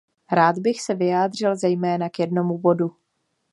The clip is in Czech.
Rád bych se vyjádřil zejména k jednomu bodu.